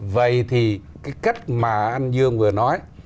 vậy thì cái cách mà anh dương vừa nói